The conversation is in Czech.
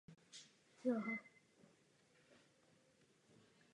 Herečka často věnuje značné finanční částky a také svůj čas charitě.